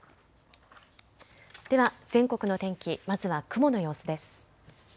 では全国の天気、まずは雲の様子です。